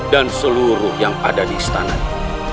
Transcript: dan seluruh yang ada di istananya